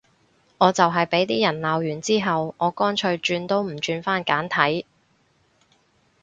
我就係畀啲人鬧完之後，我乾脆轉都唔轉返簡體